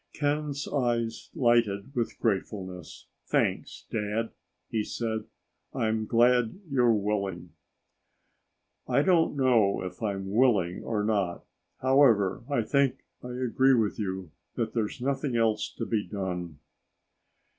Ken's eyes lighted with gratefulness. "Thanks, Dad," he said. "I'm glad you're willing." "I don't know if I'm willing or not. However, I think I agree with you that there's nothing else to be done."